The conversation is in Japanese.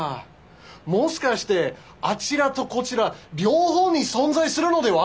もしかしてあちらとこちら両方に存在するのでは。